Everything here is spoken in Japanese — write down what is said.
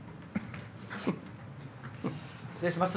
失礼します。